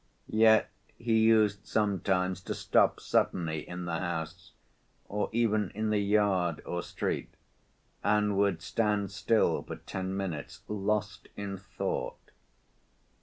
Yet he used sometimes to stop suddenly in the house, or even in the yard or street, and would stand still for ten minutes, lost in thought.